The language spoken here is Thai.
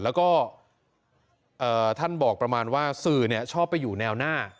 แล้วก็ท่านบอกประมาณว่าสื่อชอบไปอยู่แนวหน้า